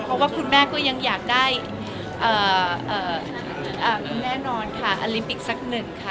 เพราะว่าคุณแม่ก็ยังอยากได้แน่นอนค่ะอลิมปิกสักหนึ่งค่ะ